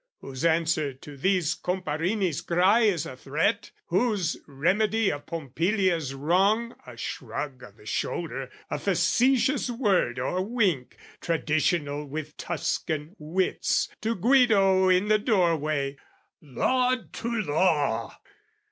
Whose answer to these Comparini's cry Is a threat, whose remedy of Pompilia's wrong A shrug o' the shoulder, a facetious word Or wink, traditional with Tuscan wits, To Guido in the doorway. Laud to law!